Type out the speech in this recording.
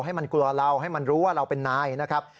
ให้มันกลัวเราให้มันรู้ว่าเราเป็นนายนะครับ